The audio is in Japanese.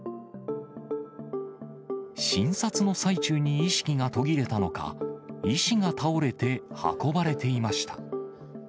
診察の最中に意識が途切れたのか、医師が倒れて運ばれていました。